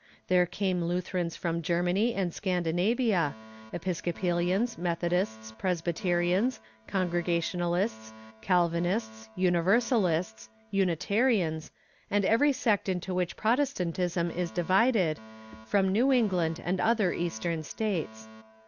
There came Lutherans from Germany and Scandinavia, Episcopalians, Methodists, Presbyterians, Congregationalists, Calvinists, Universalists, Unitarians, and every sect into which Protestantism is divided, from New England and other Eastern States.